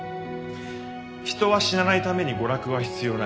人は死なないために娯楽は必要ない。